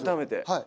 はい。